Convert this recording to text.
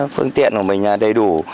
phương tiện của mình đầy đủ